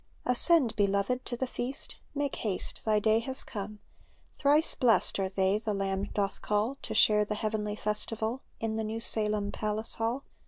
Ascend, beloved, to the feast ; Make haste, thy day has come ; Thrice blest are they the Lamb doth call To share the heavenly festival Ln the new Salem palace hall.